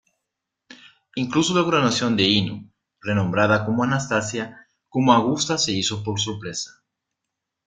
Incluso la coronación de Ino, renombrada como Anastasia, como Augusta se hizo por sorpresa.